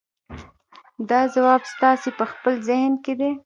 دا ځواب ستاسې په خپل ذهن کې دی.